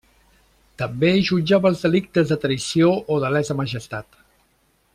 També jutjava els delictes de traïció o de lesa majestat.